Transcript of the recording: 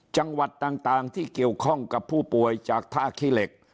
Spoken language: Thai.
จังหวัดต่างที่เกี่ยวข้องกับผู้ป่วยจากท่าขี้เหล็ก